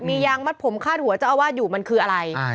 มียางมัดผมคาดหัวเจ้าอาวาสอยู่มันคืออะไร